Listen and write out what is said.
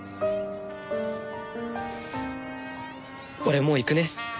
俺もう行くね。